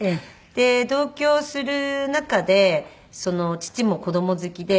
で同居をする中で父も子供好きで。